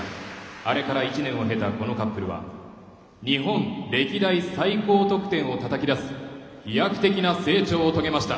あれから１年を経たこのカップルは日本歴代最高得点をたたき出す飛躍的な成長を遂げました。